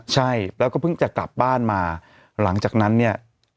ใช่แล้วก็เพิ่งจะกลับบ้านมาหลังจากนั้นเนี่ย